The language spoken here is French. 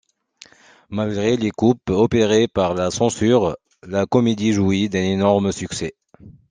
Malgré les coupes opérées par la censure, la comédie jouit d'un énorme succès.